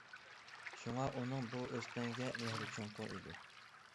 شۇڭا ئۇنىڭ بۇ ئۆستەڭگە مېھرى چوڭقۇر ئىدى.